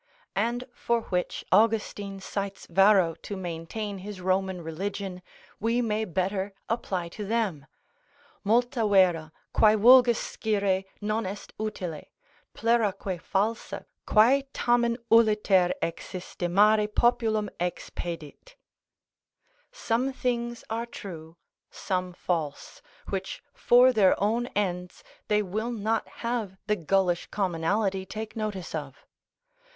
And for which Austin cites Varro to maintain his Roman religion, we may better apply to them: multa vera, quae vulgus scire non est utile; pleraque falsa, quae tamen uliter existimare populum expedit; some things are true, some false, which for their own ends they will not have the gullish commonalty take notice of.